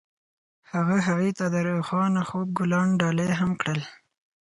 هغه هغې ته د روښانه خوب ګلان ډالۍ هم کړل.